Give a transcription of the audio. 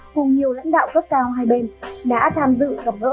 cùng nhiều lãnh đạo cấp cao hai bên đã tham dự gặp gỡ nhân sĩ hữu nghị và thế hệ trẻ hai nước